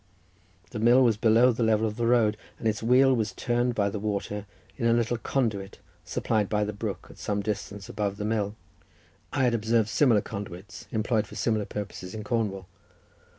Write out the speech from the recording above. The mill was below the level of the road, and its wheel was turned by the water of a little conduit supplied by the brook at some distance above the mill. I had observed similar conduits employed for similar purposes in Cornwall.